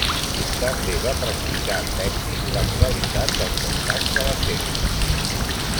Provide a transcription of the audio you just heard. També va practicar amb èxit la modalitat dels escacs a la cega.